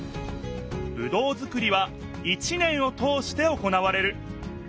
ぶどうづくりは一年を通して行われる。